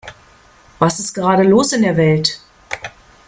Was ist gerade los in der Welt?